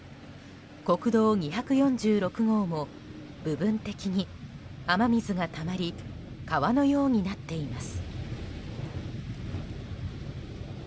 国道２４６号も部分的に雨水がたまり川のようになっています。